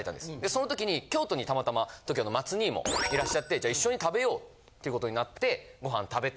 その時に京都にたまたまＴＯＫＩＯの松兄もいらっしゃってじゃあ一緒に食べようっていう事になってご飯食べて。